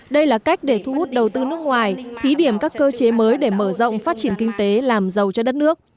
đây là cách để thu hút đầu tư nước ngoài thí điểm các cơ chế mới để mở rộng phát triển kinh tế làm giàu cho đất nước